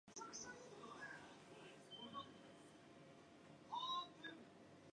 Trains are hourly in each direction.